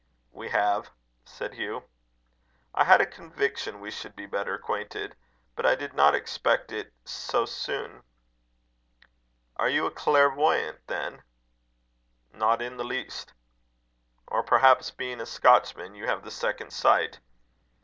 "We have," said Hugh. "I had a conviction we should be better acquainted, but I did not expect it so soon." "Are you a clairvoyant, then?" "Not in the least." "Or, perhaps, being a Scotchman, you have the second sight?"